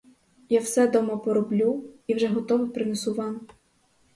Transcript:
Я все дома пороблю і вже готове принесу вам.